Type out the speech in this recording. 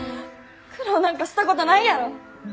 苦労なんかしたことないやろ！